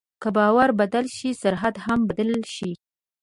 که باور بدل شي، سرحد هم بدل شي.